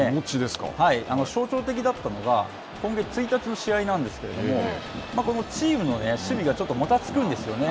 象徴的だったのが、今月１日の試合なんですけれども、チームの守備がちょっともたつくんですよね。